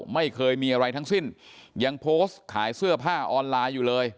ไม่เคยมีอะไรทั้งสิ้นยังโพสต์ขายเสื้อผ้าออนไลน์อยู่เลย